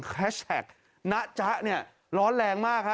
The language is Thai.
แฮชแท็กนะจ๊ะเนี่ยร้อนแรงมากฮะ